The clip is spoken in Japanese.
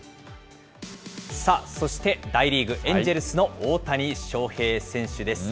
さあ、そして大リーグ・エンジェルスの大谷翔平選手です。